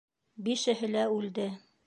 Бишеһе лә үлде.